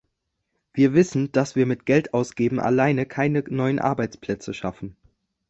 Wir wissen, dass wir mit Geldausgeben alleine keine neuen Arbeitsplätze schaffen.